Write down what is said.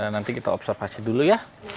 nanti kita observasi dulu ya